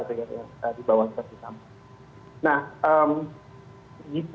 itu yang di bawah serdi sambo